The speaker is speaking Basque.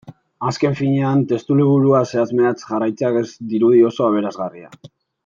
Azken finean, testuliburua zehatz-mehatz jarraitzeak ez dirudi oso aberasgarria.